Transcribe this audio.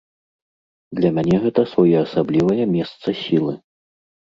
Для мяне гэта своеасаблівае месца сілы.